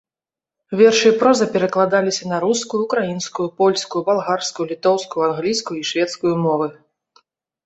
Вершы і проза перакладаліся на рускую, украінскую, польскую, балгарскую, літоўскую, англійскую і шведскую мовы.